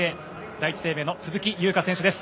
第一生命の鈴木優花選手です。